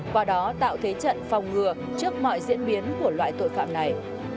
qua đó tạo thế trận phòng ngừa trước mọi diễn biến của loại tội phạm này